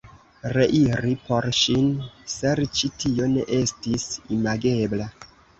Reiri por ŝin serĉi, tio ne estis imagebla.